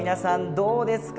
どうですか